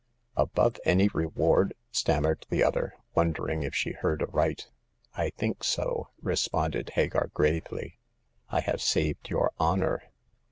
Above any reward !" stammered the other, wondering if she heard aright. " I think so," responded Hagar, gravely. " I have saved your honor."